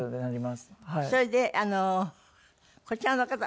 それでこちらの方。